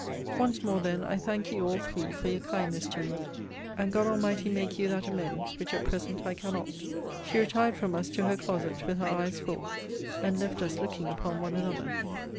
Once more, then, I thank ye all three for your kindness to me: and God Almighty make you that amends which at present I cannot! She retired from us to her closet with her eyes full; and left us looking upon one another.